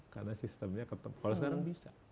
karena sistemnya ketemu kalau sekarang bisa